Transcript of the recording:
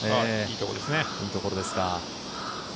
いいところですね。